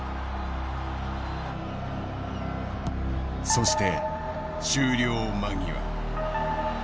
そして終了間際。